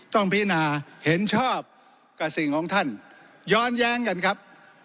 พินาเห็นชอบกับสิ่งของท่านย้อนแย้งกันครับ